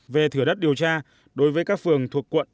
về thửa đất điều tra đối với các phường thuộc quận